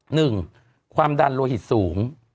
หนึ่งความดันโลหิตสูง